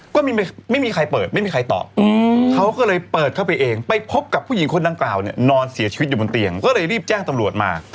ก็ไม่มีใครเปิดไม่มีใครตอบเขาก็เลยเปิดเข้าไปเองไปพบกับผู้หญิงคนดังกล่าวเนี่ยนอนเสียชีวิตอยู่บนเตียงก็เลยรีบแจ้งตำรวจมา